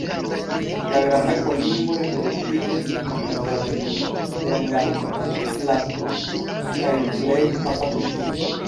La Granda kolimbo reproduktiĝas en Nordameriko, Gronlando, Islando, kaj plej norda Britio.